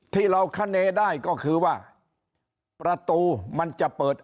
ที่เราคาเนได้ก็คือว่าประตูมันจะเปิด